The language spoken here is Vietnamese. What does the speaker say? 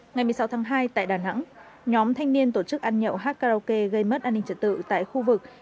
ngày một mươi sáu tháng hai tại đà nẵng nhóm thanh niên tổ chức ăn nhậu hát karaoke gây mất an ninh trật tự tại khu vực